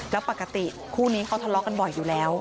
แล้วปกติคู่นี้เขาทะเลาะกันบ่อยอยู่แล้ว